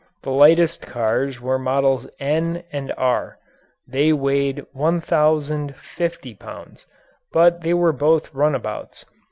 The lightest cars were Models "N" and "R." They weighed 1,050 pounds, but they were both runabouts.